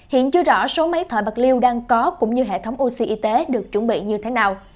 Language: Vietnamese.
hiện chưa rõ số máy thở bạc liêu đang có cũng như hệ thống oxy y tế được chuẩn bị như thế nào